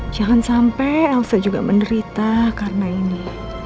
jangan sampai elsa juga menderita karena ini